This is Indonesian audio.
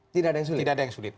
tidak ada yang sulit